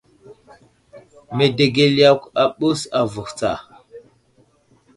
Medegel yakw ghe ɓəs avohw tsa.